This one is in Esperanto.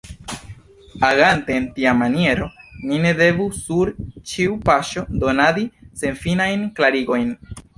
Agante en tia maniero, ni ne devu sur ĉiu paŝo donadi senfinajn klarigojn.